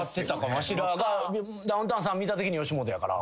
わしらがダウンタウンさん見たときに吉本やから。